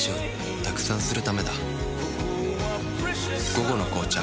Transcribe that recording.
「午後の紅茶」